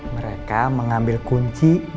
mereka mengambil kunci